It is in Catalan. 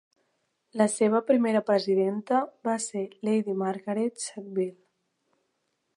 La seva primera presidenta va ser Lady Margaret Sackville.